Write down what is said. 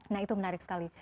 nah itu menarik sekali